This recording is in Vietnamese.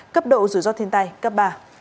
cấp độ rủi ro thiên tai cấp ba